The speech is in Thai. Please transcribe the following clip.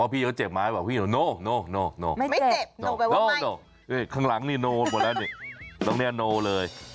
ไม่เจ็บโน่แบบว่าไม่โน่ข้างหลังนี่โน่หมดแล้วนี่ตรงนี้โน่เลย